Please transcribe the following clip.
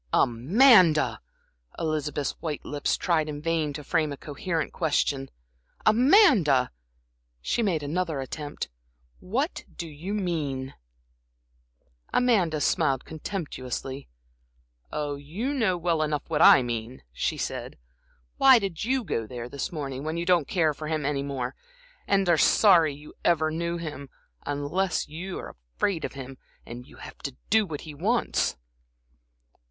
"Amanda!" Elizabeth's white lips tried in vain to frame a coherent question. "Amanda," she made another attempt "what do you mean?" Amanda smiled contemptuously. "Oh, you know well enough what I mean," she said. "Why did you go there this morning when you don't care for him any more, and are sorry you ever knew him, unless you're afraid of him, and have to do what he wants?"